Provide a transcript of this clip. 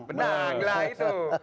benang lah itu